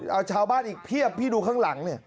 เอาชาวบ้านอีกเพียบพี่ดูข้างหลังเนี่ย